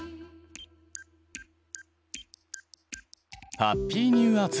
ハッピーニューアーツ！